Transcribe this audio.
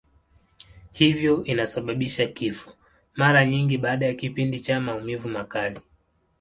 Hivyo inasababisha kifo, mara nyingi baada ya kipindi cha maumivu makali.